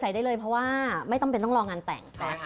ใส่ได้เลยเพราะว่าแม่ต้องรองานแต่ง